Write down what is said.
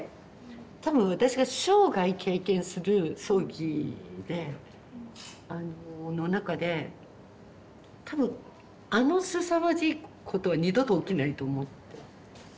多分私が生涯経験する葬儀であのの中で多分あのすさまじいことは二度と起きないと思って。